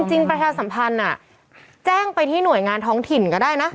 ประชาสัมพันธ์แจ้งไปที่หน่วยงานท้องถิ่นก็ได้นะ